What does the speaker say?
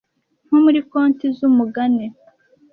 nko muri konti zumugani